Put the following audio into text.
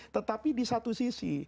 tetapi di satu sisi